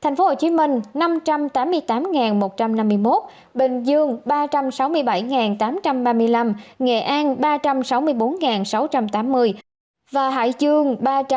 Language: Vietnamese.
tp hcm năm trăm tám mươi tám một trăm năm mươi một bình dương ba trăm sáu mươi bảy tám trăm ba mươi năm nghệ an ba trăm sáu mươi bốn sáu trăm tám mươi và hải dương ba trăm hai mươi chín năm trăm năm mươi bảy